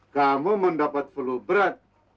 kamu mendapat pelu berat